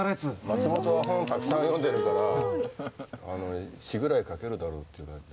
松本は本たくさん読んでるから詞ぐらい書けるだろうって言われて。